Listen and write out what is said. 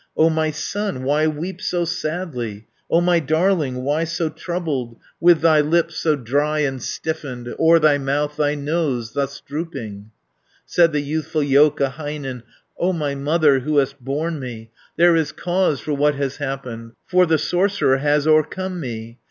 "O my son, why weep so sadly? O my darling, why so troubled, With thy lips so dry and stiffened, O'er thy mouth thy nose thus drooping?" 510 Said the youthful Joukahainen, "O my mother, who hast borne me, There is cause for what has happened, For the sorcerer has o'ercome me.